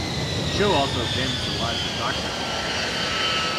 The show also examines the lives of the doctors in its lineup.